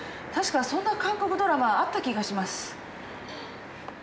確かそんな韓国ドラマあった気がします。